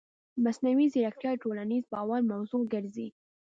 مصنوعي ځیرکتیا د ټولنیز باور موضوع ګرځي.